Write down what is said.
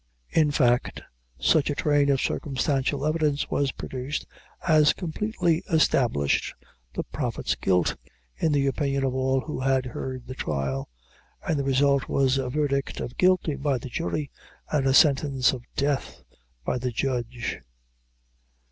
In fact, such a train of circumstantial evidence was produced, as completely established the Prophet's guilt, in the opinion of all who had heard the trial, and the result was a verdict of guilty by the jury, and a sentence of death by the judge.